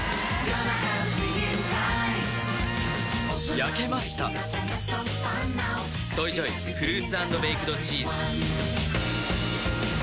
焼けました「ＳＯＹＪＯＹフルーツ＆ベイクドチーズ」